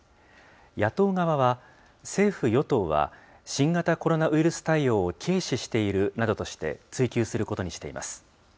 野党側は、政府・与党は新型コロナウイルス対応を軽視しているなどとして、追及することにしています。